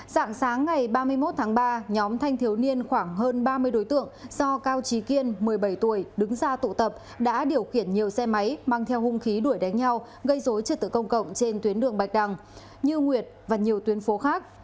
dạng sáng ngày ba mươi một tháng ba nhóm thanh thiếu niên khoảng hơn ba mươi đối tượng do cao trí kiên một mươi bảy tuổi đứng ra tụ tập đã điều khiển nhiều xe máy mang theo hung khí đuổi đánh nhau gây dối trật tự công cộng trên tuyến đường bạch đằng như nguyệt và nhiều tuyến phố khác